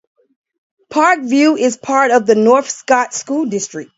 Park View is part of the North Scott School District.